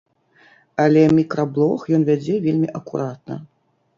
Але мікраблог ён вядзе вельмі акуратна.